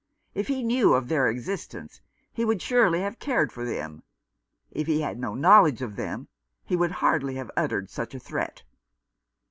If he knew of their existence he would surely have cared for them. If he had no knowledge of them he would hardly have uttered such a threat.